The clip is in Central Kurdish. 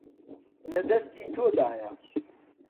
لە دەستی تۆدایە.